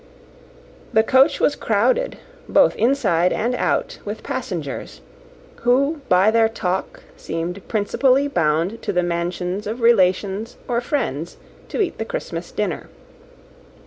The coach was crowded, both inside and out, with passengers, who, by their talk, seemed principally bound to the mansions of relations or friends to eat the Christmas dinner.